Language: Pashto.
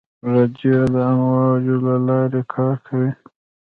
رادیو د امواجو له لارې کار کوي.